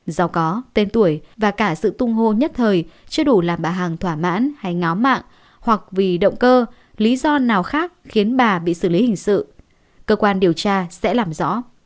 do có tên tuổi và cả sự tung hô nhất thời chưa đủ là bà hằng thỏa mãn hay ngó mạng hoặc vì động cơ lý do nào khác khiến bà bị xử lý hình sự cơ quan điều tra sẽ làm rõ